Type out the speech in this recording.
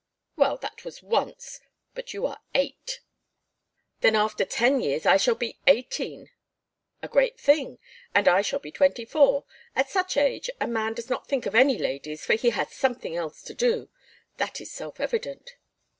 "Well, that was once. But you are eight." "Then after ten years I shall be eighteen." "A great thing! And I shall be twenty four! At such age a man does not think of any ladies for he has something else to do; that is self evident."